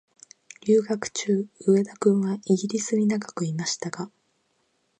留学中、上田君はイギリスに長くいましたが、